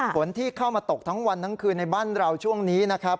ฝนที่เข้ามาตกทั้งวันทั้งคืนในบ้านเราช่วงนี้นะครับ